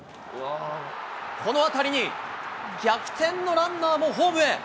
この当たりに、逆転のランナーもホームへ。